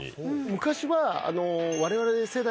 昔は。